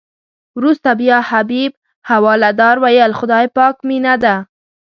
وروسته بیا حبیب حوالدار ویل خدای پاک مینه ده.